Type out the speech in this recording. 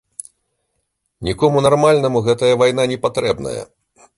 Нікому нармальнаму гэтая вайна не патрэбная.